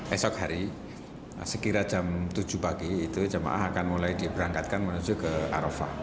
esok hari sekira jam tujuh pagi itu jemaah akan mulai diberangkatkan menuju ke arafah